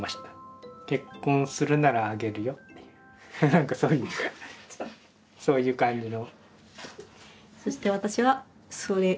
なんかそういうそういう感じの。